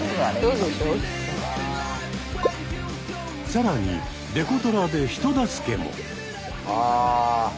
更にデコトラで人助けも。